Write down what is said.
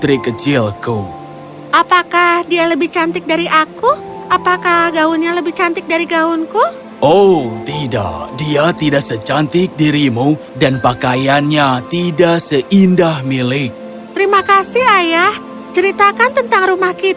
terima kasih ayah ceritakan tentang rumah kita bagaimana kelihatannya dan seberapa besar